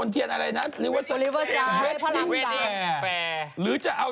ไข่ข้าว